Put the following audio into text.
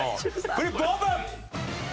フリップオープン！